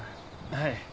はい。